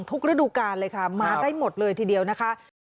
ฤดูการเลยค่ะมาได้หมดเลยทีเดียวนะคะ